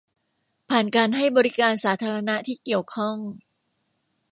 ผ่านการให้บริการสาธารณะที่เกี่ยวข้อง